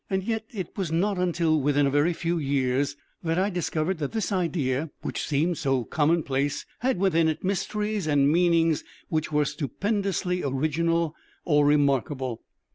Yet it was not until within a very few years that I discovered that this idea, which seemed so commonplace, had within it mysteries and meanings which were stupendously original or remarkable.